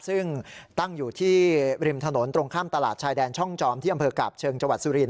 ซึ่งตั้งอยู่ที่ริมถนนตรงข้ามตลาดชายแดนช่องจอมที่อำเภอกาบเชิงจังหวัดสุรินท